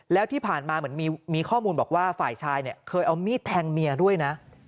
แล้วที่ผ่านมาเหมือนมีข้อมูลบอกว่าฝ่ายชายเนี่ยเคยเอามีดแทงเมียด้วยนะ